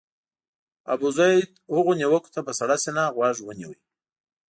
ابوزید هغو نیوکو ته په سړه سینه غوږ ونیو.